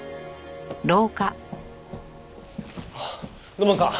土門さん